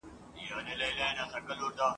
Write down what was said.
چي د ټولني واقعیتونو او د شاعراحساساتو ته ,